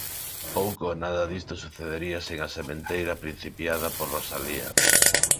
Pouco ou nada disto sucedería sen a sementeira principiada por Rosalía.